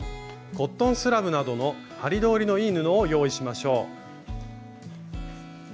コットンスラブなどの針通りのいい布を用意しましょう。